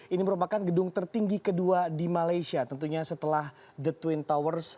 ini merupakan gedung tertinggi kedua di malaysia tentunya setelah the twin towers